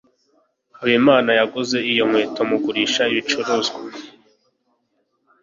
habimana yaguze izo nkweto mugurisha ibicuruzwa